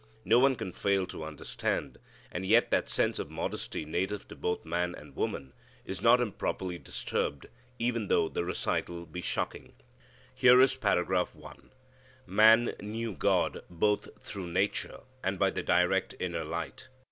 No one can fail to understand, and yet that sense of modesty native to both man and woman is not improperly disturbed, even though the recital be shocking. Here is paragraph one: Man knew God both through nature and by the direct inner light.